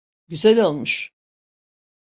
Güzel olmuş.